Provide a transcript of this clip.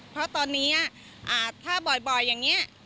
เพราะตอนนี้ถ้าบ่อยอย่างนี้